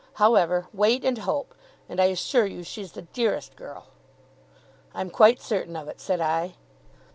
However, "wait and hope!" And I assure you she's the dearest girl!' 'I am quite certain of it,' said I.